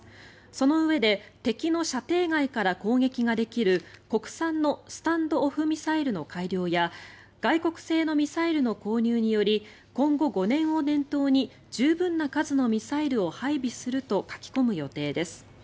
そのうえで敵の射程外から攻撃ができる国産のスタンド・オフ・ミサイルの改良や外国製のミサイルの購入により今後５年を念頭に十分な数のミサイルを配備すると書き込む予定です。